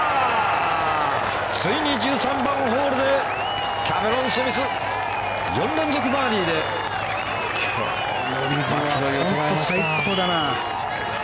ついに１３番ホールでキャメロン・スミス４連続バーディーで最高だな。